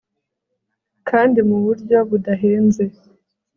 kandi mu buryo budahenze